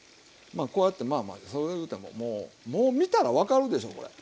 こうやってまあまあそう言うてももう見たら分かるでしょこれ。